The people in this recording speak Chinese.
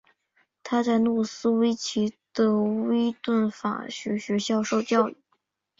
他在诺斯威奇的威顿文法学校受教育。